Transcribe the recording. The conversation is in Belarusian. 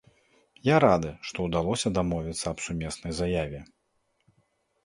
Я рады, што ўдалося дамовіцца аб сумеснай заяве.